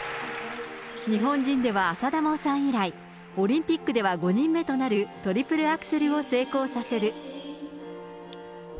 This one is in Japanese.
日本人では浅田真央さん以来、オリンピックでは５人目となるトリプルアクセルを成功させる。